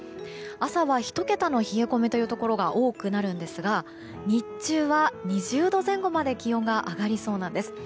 朝は１桁の冷え込みというところが多くなるんですが日中は２０度前後まで気温が上がりそうなんです。